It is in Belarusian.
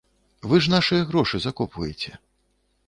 Вы ж нашыя грошы закопваеце.